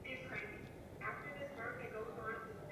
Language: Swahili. Hata hivyo kwa Maalim Seif na wafuasi wake umri si kigezo